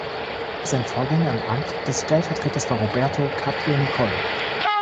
Sein Vorgänger im Amt des Stellvertreters war Roberto Carpio Nicolle.